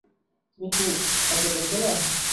তুমি কি তাকে দেখবে না?